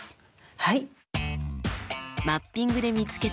はい。